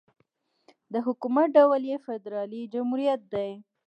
د حکومت ډول یې فدرالي جمهوريت دی.